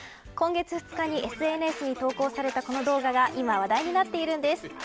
今月２日にＳＮＳに投稿されたこの動画が今話題になっているんです。